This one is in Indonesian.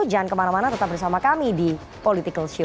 jangan kemana mana tetap bersama kami di political show